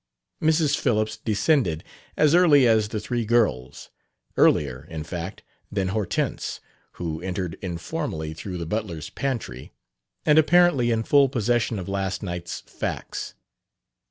Mrs. Phillips descended as early as the three girls, earlier, in fact, than Hortense, who entered informally through the butler's pantry and apparently in full possession of last night's facts.